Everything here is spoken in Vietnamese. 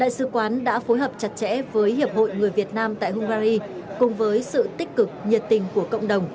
đại sứ quán đã phối hợp chặt chẽ với hiệp hội người việt nam tại hungary cùng với sự tích cực nhiệt tình của cộng đồng